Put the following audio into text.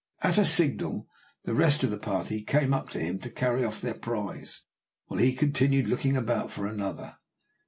At a signal the rest of the party came up to him to carry off their prize, while he continued looking about for another.